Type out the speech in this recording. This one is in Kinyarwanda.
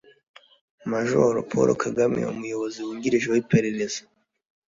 majoro paul kagame: umuyobozi wungirije w'iperereza